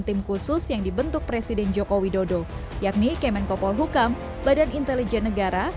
tim khusus yang dibentuk presiden joko widodo yakni kemenkopol hukam badan intelijen negara